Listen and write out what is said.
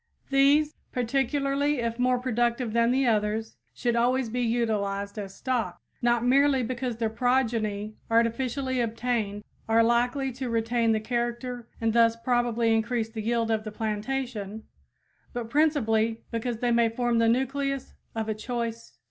These, particularly if more productive than the others, should always be utilized as stock, not merely because their progeny artificially obtained are likely to retain the character and thus probably increase the yield of the plantation, but principally because they may form the nucleus of a choice strain.